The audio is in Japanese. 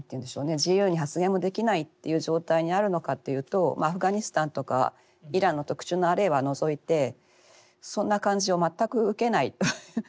自由に発言もできないっていう状態にあるのかっていうとアフガニスタンとかイランの特殊な例は除いてそんな感じを全く受けないという。